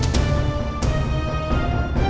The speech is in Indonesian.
kalau lo mau bantu